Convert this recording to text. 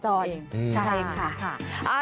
ใช่ค่ะ